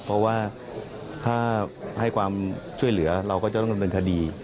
เพราะว่าถ้าให้ความช่วยเหลือเราก็จะต้องดำเนินคดี